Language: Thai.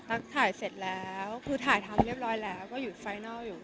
ถ้าถ่ายเสร็จแล้วถ่ายทำเรียบร้อยแล้วก็อยู่ที่สฟ้าง